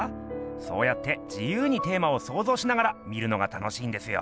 そうやって自由にテーマをそうぞうしながら見るのが楽しいんですよ。